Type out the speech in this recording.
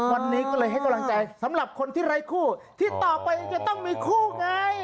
วันนี้ก็เลยให้กำลังใจสำหรับคนที่ไร้คู่ที่ต่อไปจะต้องมีคู่ไง